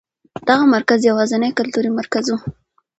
دغه مرکز یوازېنی کلتوري مرکز و.